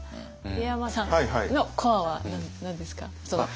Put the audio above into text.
入山さんのコアは何ですか？